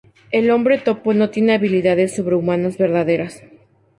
El Hombre Topo no tiene habilidades sobrehumanas verdaderas.